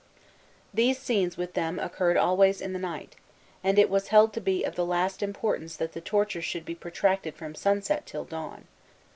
These scenes, with them, occurred always in the night; and it was held to be of the last importance that the torture should be protracted from sunset till dawn.